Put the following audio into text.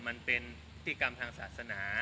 มันเป็นพิธีกรรมทางศาสนา